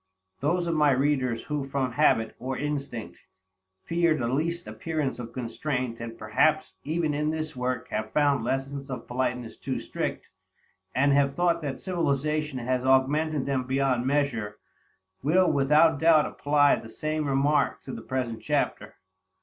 _ Those of my readers who from habit, or instinct, fear the least appearance of constraint, and perhaps even in this work have found lessons of politeness too strict, and have thought that civilization has augmented them beyond measure, will without doubt apply the same remark to the present chapter.